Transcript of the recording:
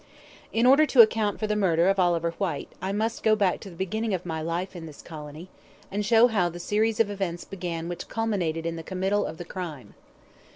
In order to account for the murder of Oliver Whyte, I must go back to the beginning of my life in this colony, and show how the series of events began which culminated in the committal of the crime.